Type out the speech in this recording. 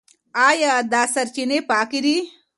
ايا دا سرچينې پاکي دي؟